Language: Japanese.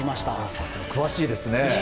さすが、詳しいですね。